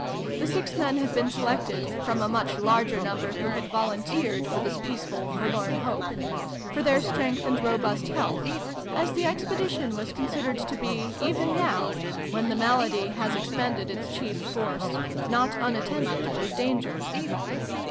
The six men had been selected from a mucJi larger number who had volunteered for this peace f^d 'forlorn hope ' for their strength and robust health, as the expedition was considered to be, even now, when the malady has expended its chief force, not unattended with danger.